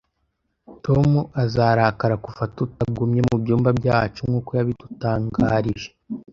Tom azarakara kuva tutagumye mubyumba byacu nkuko yabidutangarije